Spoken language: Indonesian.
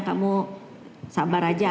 kamu sabar saja